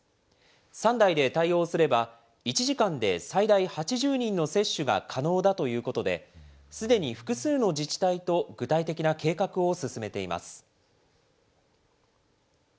３台で対応すれば、１時間で最大８０人の接種が可能だということで、すでに複数の自治体と、具体的な計画を進めています。